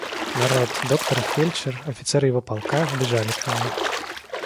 Народ, доктор и фельдшер, офицеры его полка, бежали к нему.